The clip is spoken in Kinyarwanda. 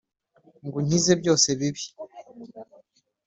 ngo unkize byose bibi.